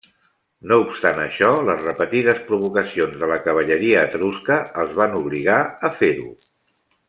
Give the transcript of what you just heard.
No obstant això, les repetides provocacions de la cavalleria etrusca els van obligar a fer-ho.